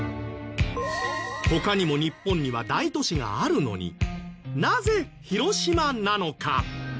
他にも日本には大都市があるのになぜ広島なのか？